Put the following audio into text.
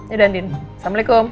yaudah andien assalamualaikum